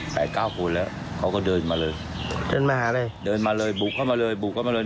แปดเก้าคนแล้วเขาก็เดินมาเลยเดินมาอะไรเดินมาเลยบุกเข้ามาเลย